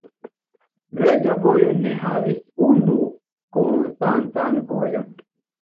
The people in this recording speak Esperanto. Reĝa Vojo ne havis unu konstantan vojon.